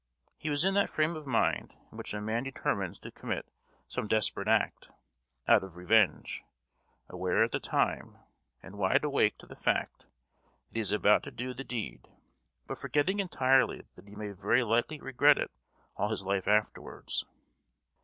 He was in that frame of mind in which a man determines to commit some desperate act, out of revenge, aware at the time, and wide awake to the fact that he is about to do the deed, but forgetting entirely that he may very likely regret it all his life afterwards!